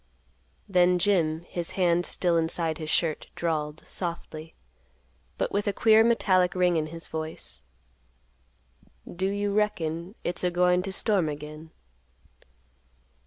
Then Jim, his hand still inside his shirt, drawled, softly, but with a queer metallic ring in his voice, "Do you reckon it's a goin' t' storm again?"